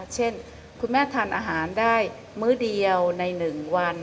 เช่นคุณแม่ทานอาหารได้มื้อเดียวใน๑วัน